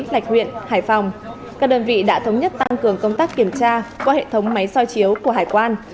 lạch huyện hải phòng các đơn vị đã thống nhất tăng cường công tác kiểm tra qua hệ thống máy soi chiếu của hải quan